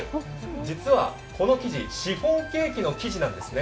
実はこの生地、シフォンケーキの生地なんですね。